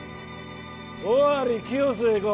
尾張清須へ行こう。